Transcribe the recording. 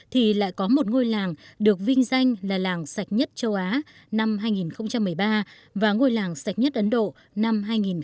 thì lại có một ngôi làng được vinh danh là làng sạch nhất châu á năm hai nghìn một mươi ba và ngôi làng sạch nhất ấn độ năm hai nghìn một mươi bảy